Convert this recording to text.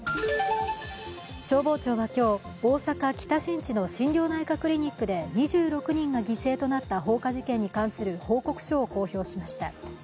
消防庁は今日、大阪・北新地の心療内科クリニックで２６人が犠牲となった放火事件に関する報告書を公開しました。